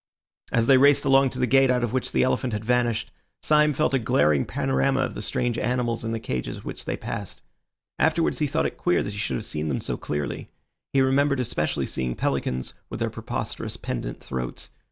As they raced along to the gate out of which the elephant had vanished, Syme felt a glaring panorama of the strange animals in the cages which they passed. Afterwards he thought it queer that he should have seen them so clearly. He remembered especially seeing pelicans, with their preposterous, pendant throats.